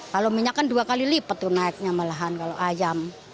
kalau minyak kan dua kali lipat tuh naiknya malahan kalau ayam